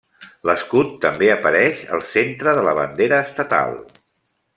L'escut també apareix al centre de la bandera estatal.